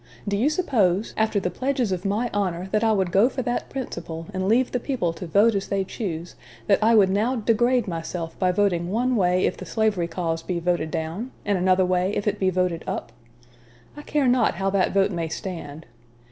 Do you suppose, after the pledges of my honor that I would go for that principle and leave the people to vote as they choose, that I would now degrade myself by voting one way if the slavery clause be voted down, and another way if it be voted up? I care not how that vote may stand....